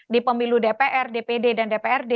di pemilu dpr dpd dan dprd